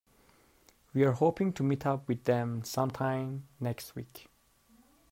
We're hoping to meet up with them sometime next week.